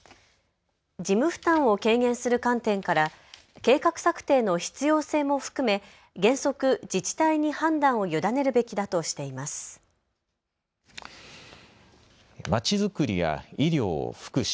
事務負担を軽減する観点から計画策定の必要性も含め原則、自治体に判断を委ねるべきだとしています。